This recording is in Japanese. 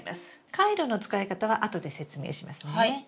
カイロの使い方は後で説明しますね。